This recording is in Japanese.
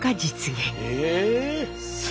え！